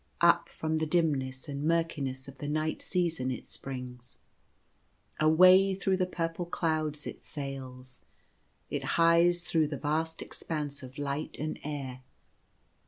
Up from the dimness and murkiness of the night season it springs. Away through the purple clouds it sails. It hies through the vast expanse of light and air.